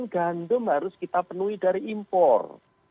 seratus gandum harus kita penuhi dari impor